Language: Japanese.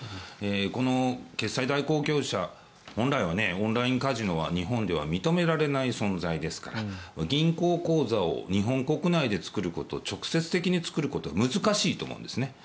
この決済代行業者本来はオンラインカジノは日本では認められない存在ですから銀行口座を日本国内で作ること直接的に作ることは難しいと思うんです。